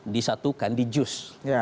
disatukan di jus